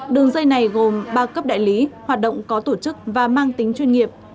đường dây này gồm ba cấp đại lý hoạt động có tổ chức và mang tính chuyên nghiệp